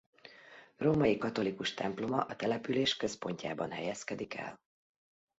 Római katolikus temploma a település központjában helyezkedik el.